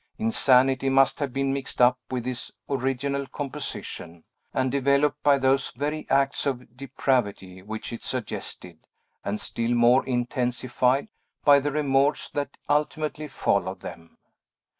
Insanity must have been mixed up with his original composition, and developed by those very acts of depravity which it suggested, and still more intensified, by the remorse that ultimately followed them.